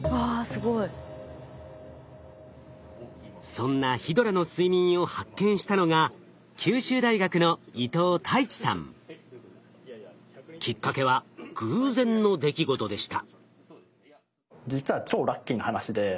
そんなヒドラの睡眠を発見したのが九州大学のきっかけは偶然の出来事でした。